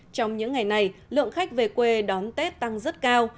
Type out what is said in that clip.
trong những ngày này lượng khách về quê đón tết tăng rất cao